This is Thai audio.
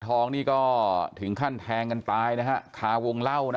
ทองนี่ก็ถึงขั้นแทงกันตายนะฮะคาวงเล่านะ